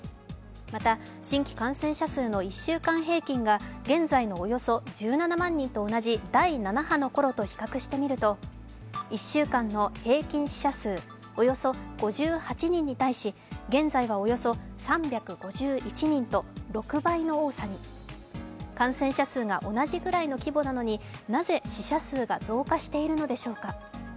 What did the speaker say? また、新規感染者数の１週間平均が現在のおよそ１７万人と同じ第７波のころと比較してみると１週間の平均死者数およそ５８人に対し現在は、およそ３５１人と６倍の多さに感染者数が同じくらいの規模なのになぜ死者数が増加しているのでしょうか。